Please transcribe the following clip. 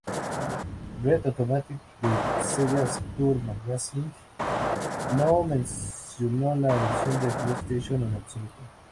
Rad Automatic de "Sega Saturn Magazine" no mencionó la versión de PlayStation en absoluto.